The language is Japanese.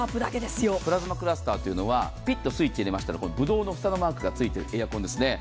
プラズマクラスターというのは、ピッとスイッチを入れましたらぶどうの房のマークがついているエアコンですね。